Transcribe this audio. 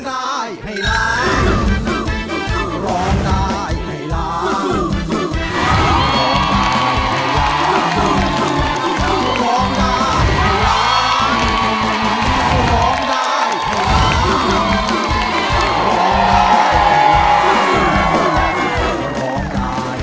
ร้องได้ให้ล้าน